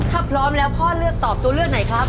ถ้าพร้อมแล้วพ่อเลือกตอบตัวเลือกไหนครับ